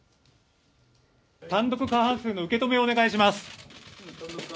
単独過半数の受け止めをお願いします。